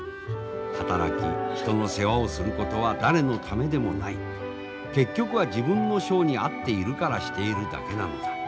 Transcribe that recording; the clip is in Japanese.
働き人の世話をすることは誰のためでもない結局は自分の性に合っているからしているだけなのだ。